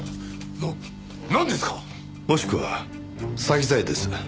もしくは詐欺罪です。